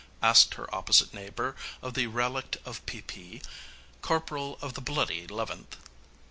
asked her opposite neighbor of the relict of P.P.; corporal of the "Bloody 'Leventh."